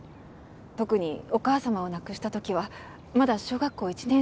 特にお母様を亡くした時はまだ小学校１年生です。